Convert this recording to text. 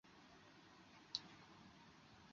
大蒙特利尔地区的朗格惠属于该地区。